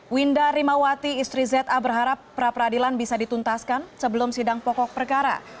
winda rimawati istri za berharap pra peradilan bisa dituntaskan sebelum sidang pokok perkara